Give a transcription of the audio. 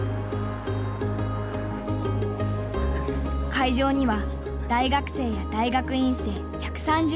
会場には大学生や大学院生１３０人余り。